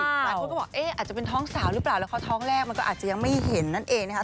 หลายคนก็บอกเอ๊ะอาจจะเป็นท้องสาวหรือเปล่าแล้วเขาท้องแรกมันก็อาจจะยังไม่เห็นนั่นเองนะคะ